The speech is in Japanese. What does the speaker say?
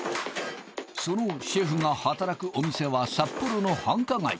そのシェフが働くお店は札幌の繁華街